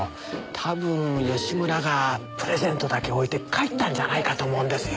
多分吉村がプレゼントだけ置いて帰ったんじゃないかと思うんですよ。